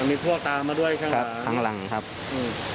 อ๋อมันมีพวกตามมาด้วยข้างหลังครับครับข้างหลังครับอืม